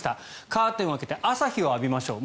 カーテンを開けて朝日を浴びましょう。